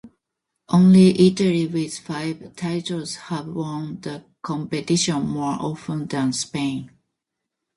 Only Italy with five titles has won the competition more often than Spain.